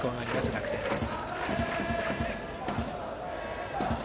楽天です。